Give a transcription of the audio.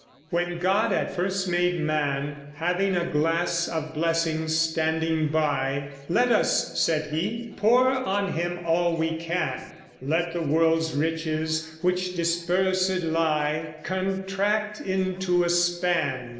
When God at first made man, Having a glass of blessings standing by, Let us, said he, pour on him all we can: Let the world's riches, which dispersed lie, Contract into a span.